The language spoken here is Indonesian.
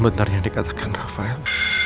benarnya dikatakan rafael